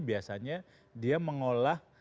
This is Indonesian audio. biasanya dia mengolah